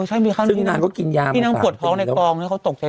ใช่มีขั้นต์